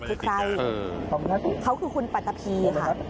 ใช่เขาคือคุณปัตตาพีค่ะ